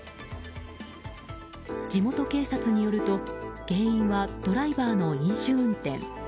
地元警察によると原因はドライバーの飲酒運転。